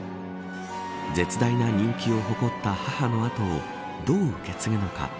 絶大な人気を誇った母の跡をどう受け継ぐのか。